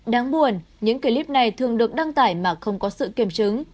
đáng buồn những clip này thường được đăng tải mà không có sự kiểm chứng